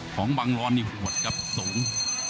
ของบังร้อนนี่หวดครับสูง